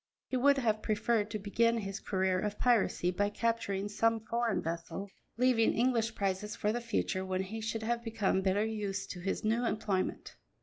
He would have preferred to begin his career of piracy by capturing some foreign vessel, leaving English prizes for the future, when he should have become better used to his new employment.